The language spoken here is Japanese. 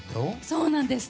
そうなんです。